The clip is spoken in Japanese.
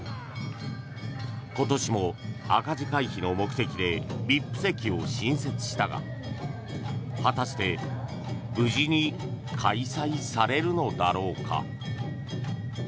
今年も赤字回避の目的でＶＩＰ席を新設したが果たして無事に開催されるのだろうか。